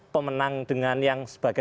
pemenang dengan yang sebagian